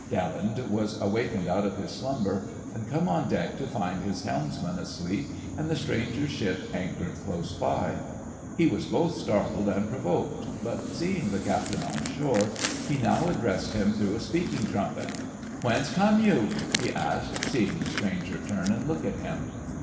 Daland had awakened out of his slumber and come on deck to find his helmsman asleep and the strange ship anchored close by. He was both startled and provoked, but seeing the captain on shore he now addressed him through a speaking trumpet. "Whence come you?" he asked, seeing the stranger turn and look at him.